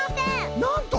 なんと！